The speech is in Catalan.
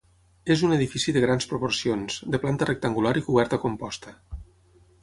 És un edifici de grans proporcions, de planta rectangular i coberta composta.